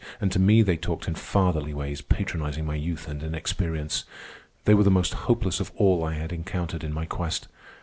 And to me they talked in fatherly ways, patronizing my youth and inexperience. They were the most hopeless of all I had encountered in my quest.